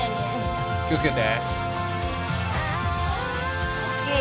気をつけてＯＫ